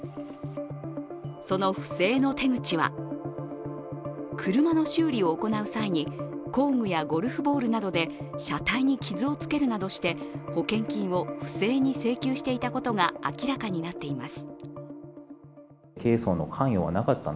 その不正の手口は車の修理を行う際に工具やゴルフボールなどで車体に傷つけるなどして保険金を不正に請求していたことが明らかになっています。